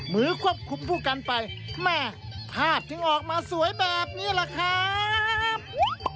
ควบคุมผู้กันไปแม่ภาพถึงออกมาสวยแบบนี้แหละครับ